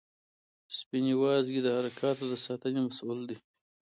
سپینې وازګې د حرکاتو د ساتنې مسؤل دي.